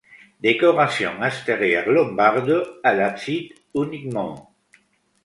Décoration extérieure lombarde, à l'abside uniquement.